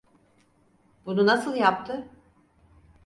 Bunu nasıl yaptı?